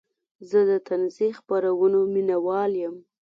زه د طنزي خپرونو مینهوال یم.